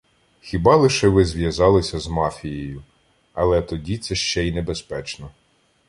Хіба лише ви зв'язалися з мафією — але тоді це ще й небезпечно